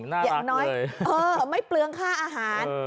น่ารักเลยอย่างน้อยเออไม่เปลืองค่าอาหารเออ